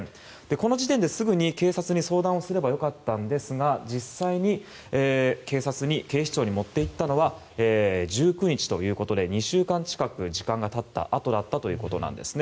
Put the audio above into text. この時点ですぐに警察に相談をすれば良かったんですが実際に警視庁に持っていったのは１９日ということで２週間近く時間が経ったあとだったということです。